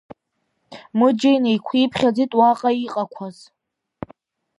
Мыџьа инеиқәиԥхьаӡеит уаҟа иҟақәаз…